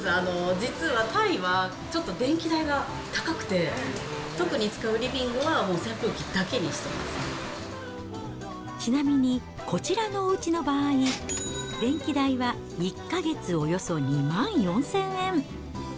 実はタイは、ちょっと電気代が高くて、特に使うリビングは、ちなみに、こちらのおうちの場合、電気代は１か月およそ２万４０００円。